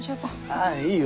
ああいいよ